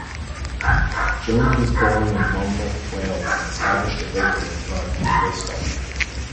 Jones was born in Monmouth, Wales and established a bakery in Broadmead, Bristol.